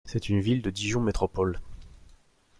C'est une ville de Dijon Métropole.